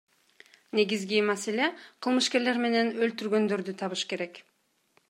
Негизги маселе кылмышкерлер менен өлтүргөндөрдү табыш керек.